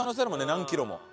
何キロも。